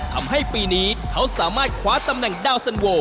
ทำให้ปีนี้เขาสามารถขวาตำแหน่ง๑๐๐๐โวลด์